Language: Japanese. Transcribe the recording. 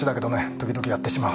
時々やってしまう。